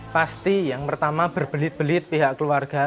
pasti yang pertama berbelit belit pihak keluarga